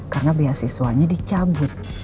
karena beasiswanya dicabut